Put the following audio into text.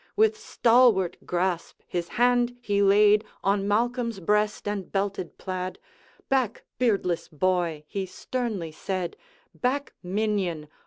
With stalwart grasp his hand he laid On Malcolm's breast and belted plaid: 'Back, beardless boy!' he sternly said, 'Back, minion!